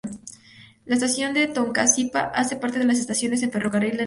La estación de Tocancipá hace parte de las estaciones de ferrocarril del Nordeste.